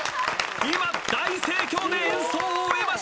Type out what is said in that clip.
今大盛況で演奏を終えました！